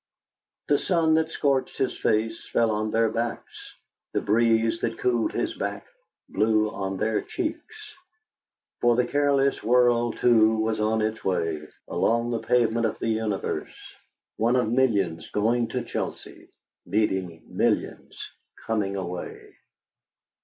The sun that scorched his face fell on their backs, the breeze that cooled his back blew on their cheeks. For the careless world, too, was on its way, along the pavement of the universe, one of millions going to Chelsea, meeting millions coming away....